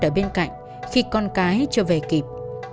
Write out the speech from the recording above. ở bên cạnh khi con cái chưa về kịp